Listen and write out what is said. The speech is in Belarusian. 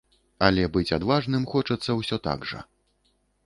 Але быць адважным хочацца ўсё так жа.